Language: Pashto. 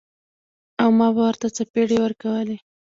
او ما به ورته څپېړې ورکولې.